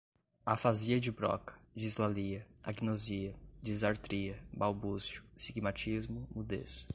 afasia de broca, dislalia, agnosia, disartria, balbucio, sigmatismo, mudez